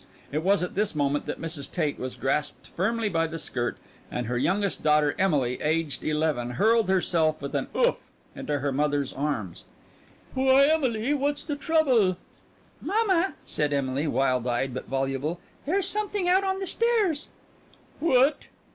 It was at this moment that Mrs. Tate was grasped firmly by the skirt and her youngest daughter, Emily, aged eleven, hurled herself with an "Oof!" into her mother's arms. "Why, Emily, what's the trouble?" "Mamma," said Emily, wild eyed but voluble, "there's something out on the stairs." "What?"